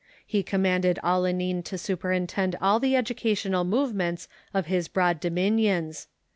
He commanded Alcuin to superintend all the educational movements of his broad do minions.